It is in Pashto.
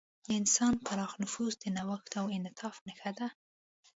د انسان پراخ نفوذ د نوښت او انعطاف نښه ده.